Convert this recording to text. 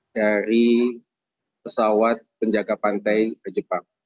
dari pesawat penjaga pantai jepang